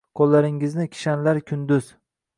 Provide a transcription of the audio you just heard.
Qoʼllaringni qishanlar kunduz